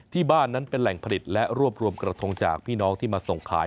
บ้านนั้นเป็นแหล่งผลิตและรวบรวมกระทงจากพี่น้องที่มาส่งขาย